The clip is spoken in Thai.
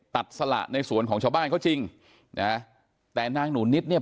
สละในสวนของชาวบ้านเขาจริงนะแต่นางหนูนิดเนี่ย